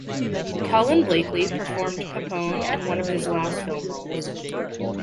Colin Blakely performed Peppone in one of his last film roles.